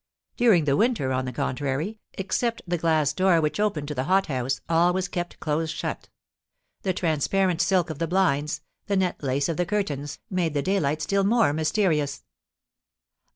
During the winter, on the contrary, except the glass door which opened to the hothouse, all was kept close shut. The transparent silk of the blinds, the net lace of the curtains, made the daylight still more mysterious.